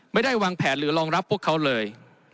ไม่ได้วางแผนหรือรองรับพวกเขาเลย